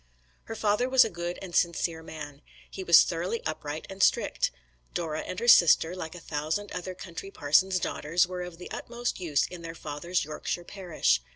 Her father was a good and sincere man. He was thoroughly upright and strict. Dora and her sister, like a thousand other country parsons' daughters, were of the utmost use in their father's Yorkshire parish.